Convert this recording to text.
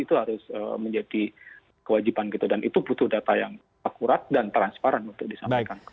itu harus menjadi kewajiban gitu dan itu butuh data yang akurat dan transparan untuk disampaikan